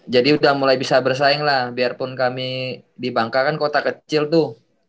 jadi udah mulai bisa bersaing lah biarpun kami di bangka kan kota kecil tuh